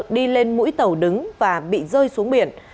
đi lên mũi tàu đứng và bị rơi xuống biển